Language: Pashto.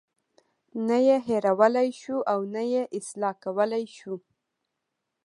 نه یې هیرولای شو او نه یې اصلاح کولی شو.